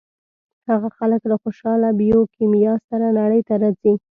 هغه خلک له خوشاله بیوکیمیا سره نړۍ ته راځي.